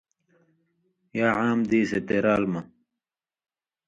یا عام دیس یی تے رال مہ